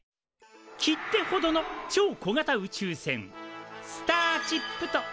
切手ほどの超小型宇宙船スターチップと呼ぶんだけどね